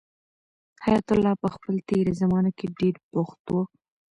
حیات الله په خپل تېره زمانه کې ډېر بوخت و.